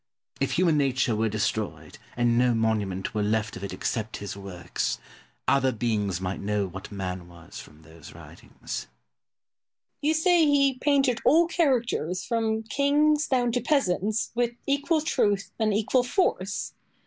If human nature were destroyed, and no monument were left of it except his works, other beings might know what man was from those writings. Boileau. You say he painted all characters, from kings down to peasants, with equal truth and equal force.